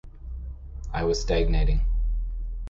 I was stagnating.